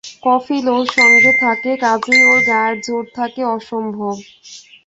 কফিল ওর সঙ্গে থাকে-কাজেই ওর গায়ের জোর থাকে অসম্ভব।